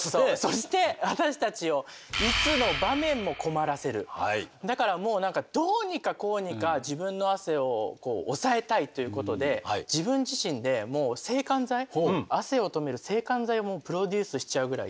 そして私たちをだからもう何かどうにかこうにか自分の汗を抑えたいっていうことで自分自身で制汗剤汗をとめる制汗剤もプロデュースしちゃうぐらい。